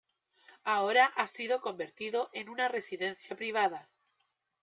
Ahora ha sido convertido en una residencia privada.